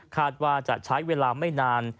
คาดว่าจะใช้เวลาไม่นาน